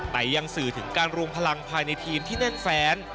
แต่ยังสื่อถึงการรวมพลังภายในทีมที่แน่นแฟน